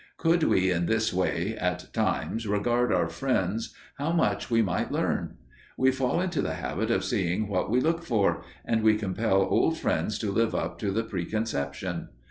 Could we, in this way, at times regard our friends, how much we might learn! We fall into the habit of seeing what we look for, and we compel old friends to live up to the preconception.